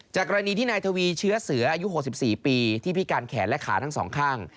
กรณีที่นายทวีเชื้อเสืออายุ๖๔ปีที่พิการแขนและขาทั้งสองข้าง